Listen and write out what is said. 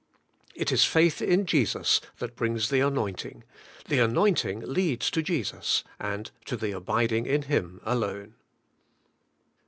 ' It is faith in Jesus that brings the anoint ing; the anointing leads to Jesus, and to the abiding in Him alone.